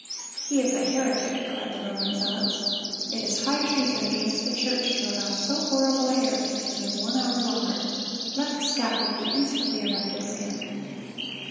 "He is a heretic," cried the Roman zealots. "It is high treason against the church to allow so horrible a heretic to live one hour longer. Let the scaffold be instantly erected for him!"